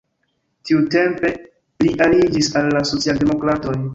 Tiutempe li aliĝis al la socialdemokratoj.